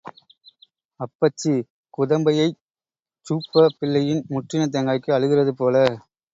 அப்பச்சி குதம்பையைச் சூப்பப் பிள்ளை முற்றின தேங்காய்க்கு அழுகிறது போல.